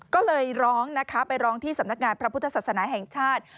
ก็เลยร้องนะคะไปร้องที่สำนักงานพระพุทธศาสนาแห่งชาติ